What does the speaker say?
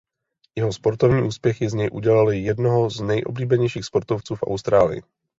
Jeho sportovní úspěchy z něj udělaly jednoho z nejoblíbenějších sportovců v Austrálii.